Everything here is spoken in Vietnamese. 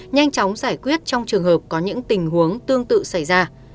nhanh chóng giải quyết trong trường hợp có những tình huống tương tự xảy ra